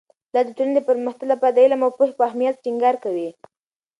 پلار د ټولنې د پرمختګ لپاره د علم او پوهې په اهمیت ټینګار کوي.